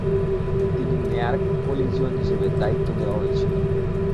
তিনি নেয়ার কলিজিওন হিসেবে দ্বায়িত্ব দেওয়া হয়েছিল।